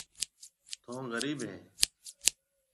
ٿُون غرِيب هيَ۔